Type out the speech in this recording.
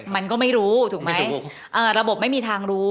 มันก็ไม่รู้ถูกไหมระบบไม่มีทางรู้